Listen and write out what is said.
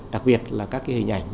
đặc biệt là các cái hình ảnh